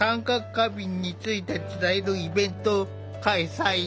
過敏について伝えるイベントを開催。